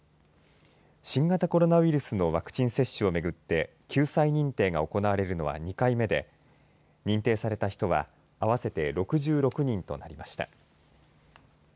新型コロナウイルスのワクチン接種をめぐって救済認定が行われるのは２回目で認定された人は合わせて６６人となりました。